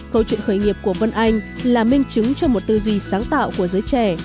câu chuyện khởi nghiệp của vân anh là minh chứng cho một tư duy sáng tạo của giới trẻ